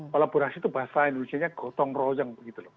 kolaborasi itu bahasa indonesia nya gotong royong